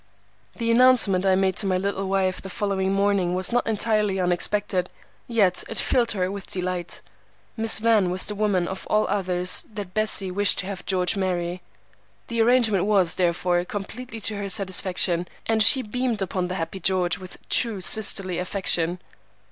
The announcement I made to my little wife the following morning was not entirely unexpected, yet it filled her with delight. Miss Van was the woman of all others that Bessie wished to have George marry. The arrangement was, therefore, completely to her satisfaction, and she beamed upon the happy George with true sisterly affection.